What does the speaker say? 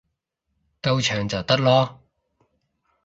夠長就得囉